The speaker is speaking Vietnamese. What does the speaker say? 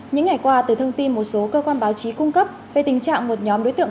những ngày qua từ thông tin một số cơ quan báo chí cung cấp về tình trạng một nhóm đối tượng